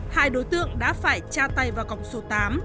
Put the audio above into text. hai đối tượng đã phải tra tay vào còng số tám